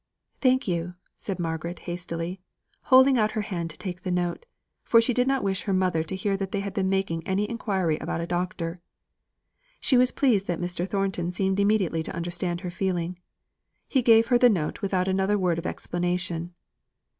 "Thank you!" said Margaret, hastily, holding out her hand to take the note, for she did not wish her mother to hear that they had been making any inquiry about a doctor. She was pleased that Mr. Thornton seemed immediately to understand her feeling; he gave her the note without another word of explanation.